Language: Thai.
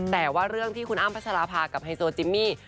แต่ว่าเรื่องที่คุณอ้ำพัชราภากับไฮโซจิมมี่